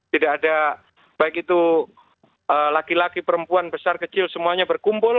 tidak ada baik itu laki laki perempuan besar kecil semuanya berkumpul